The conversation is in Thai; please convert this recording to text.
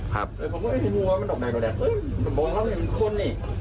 ครับผมก็ไม่รู้ว่ามันออกแบบกว่าแหละเอ๊ะบอกแล้วมันคนเนี่ย